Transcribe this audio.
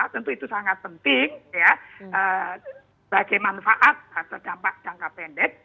tentu itu sangat penting bagi manfaat dampak jangka pendek